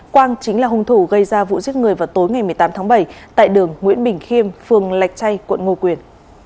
quang chính là hung thủ gây ra vụ giết người vào tối ngày một mươi tám tháng bảy tại đường nguyễn bình khiêm phường lạch chay quận ngô quyền